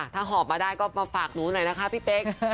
ถ้าหอบมาได้ก็มาฝากหนูหน่อยนะคะพี่เป๊ก